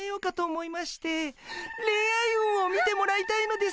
恋愛運を見てもらいたいのですが。